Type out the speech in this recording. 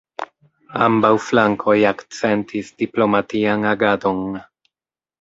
Ambaŭ flankoj akcentis diplomatian agadon.